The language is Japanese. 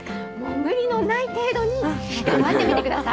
無理のない程度に頑張ってみてください。